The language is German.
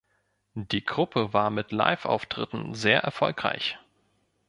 Die Gruppe war mit Live-Auftritten sehr erfolgreich.